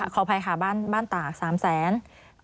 ขอบภัยค่ะบ้านตาก๓๐๐๐๐๐บาท